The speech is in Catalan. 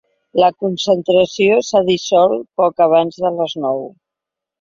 La concentració s’ha dissolt poc abans de les nou.